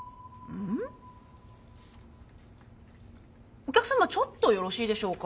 お客様ちょっとよろしいでしょうか？